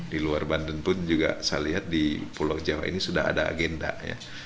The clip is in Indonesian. di luar banten pun juga saya lihat di pulau jawa ini sudah ada agenda ya